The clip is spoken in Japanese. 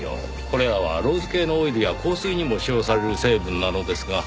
これらはローズ系のオイルや香水にも使用される成分なのですが。